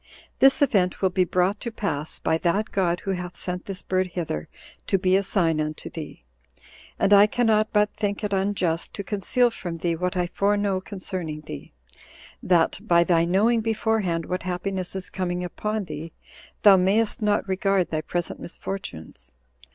This event will be brought to pass by that God who hath sent this bird hither to be a sign unto thee. And I cannot but think it unjust to conceal from thee what I foreknow concerning thee, that, by thy knowing beforehand what happiness is coming upon thee, thou mayst not regard thy present misfortunes.